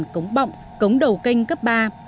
tám mươi năm cống bọng cống đầu kênh cấp ba